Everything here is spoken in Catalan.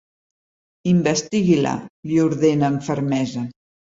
Investigui-la —li ordena amb fermesa—.